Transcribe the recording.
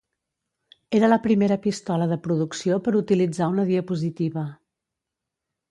Era la primera pistola de producció per utilitzar una diapositiva.